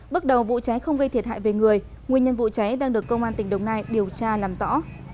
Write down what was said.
bước đầu vụ cháy không gây thiệt hại về người nguyên nhân vụ cháy đang được công an tỉnh đồng nai điều tra làm rõ